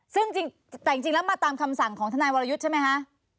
ซึ่งจริงแต่จริงแล้วมาตามคำสั่งของทนายวรยุทธ์ใช่ไหมคะ